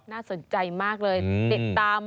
น่าสนใจมากเลยติดตาม